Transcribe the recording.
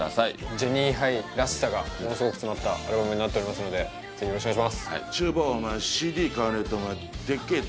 ジェニーハイらしさがものすごく詰まったアルバムになってますのでぜひよろしくお願いします